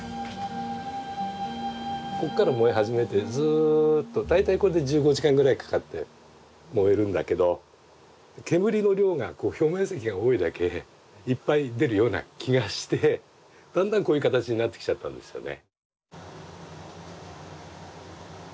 ここから燃え始めてずっと大体これで１５時間ぐらいかかって燃えるんだけど煙の量が表面積が多いだけいっぱい出るような気がしてだんだんこういう形になってきちゃったんですよね。